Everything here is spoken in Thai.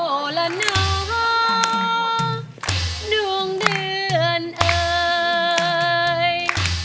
โอละนอกดวงเดือนเอ๋ย